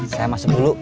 saya masuk dulu